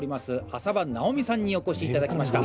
浅羽直美さんにお越しいただきました。